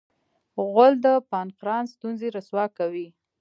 غول د پانقراس ستونزې رسوا کوي.